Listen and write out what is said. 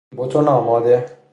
بتون آماده